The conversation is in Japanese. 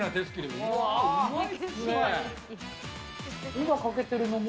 今、かけてるのも？